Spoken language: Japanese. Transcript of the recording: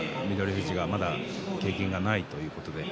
富士がまだ経験がないということでね。